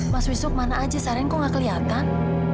mas wisnu kemana aja sarin kok gak kelihatan